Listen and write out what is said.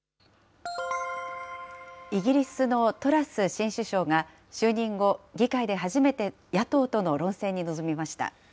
イギリスのトラス新首相が就任後、議会で初めて野党との論戦に臨みました。